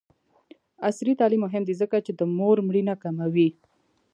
عصري تعلیم مهم دی ځکه چې د مور مړینه کموي.